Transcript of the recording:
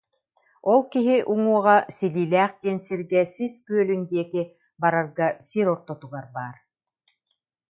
Ол киһи уҥуоҕа Силиилээх диэн сиргэ Сис Күөлүн диэки барарга сир ортотугар баар